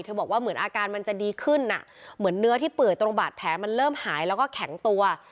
บอกว่าเหมือนอาการมันจะดีขึ้นอ่ะเหมือนเนื้อที่เปื่อยตรงบาดแผลมันเริ่มหายแล้วก็แข็งตัว